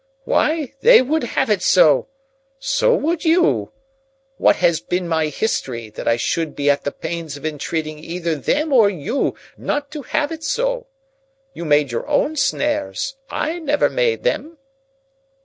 Why, they would have it so! So would you. What has been my history, that I should be at the pains of entreating either them or you not to have it so! You made your own snares. I never made them."